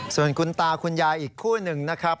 ส่วนคุณตาคุณยายอีกคู่หนึ่งนะครับ